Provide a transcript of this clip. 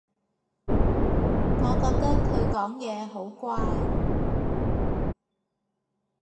我覺得佢講嘢好怪